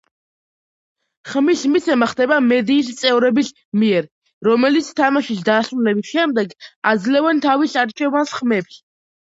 ხმის მიცემა ხდება მედიის წევრების მიერ, რომელიც თამაშის დასრულების შემდეგ აძლევენ თავის არჩევანს ხმებს.